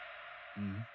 うん？